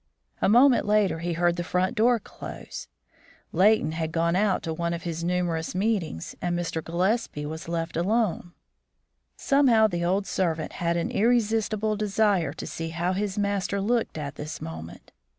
A moment later he heard the front door close. Leighton had gone out to one of his numerous meetings, and Mr. Gillespie was left alone. Somehow the old servant had an irresistible desire to see how his master looked at this moment.